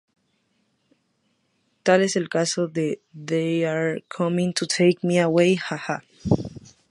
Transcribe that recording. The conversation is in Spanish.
Tal es el caso de "They're Coming to Take Me Away Ha-Haaa!